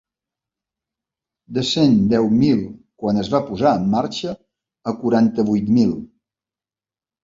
De cent deu mil quan es va posar en marxa a quaranta-vuit mil.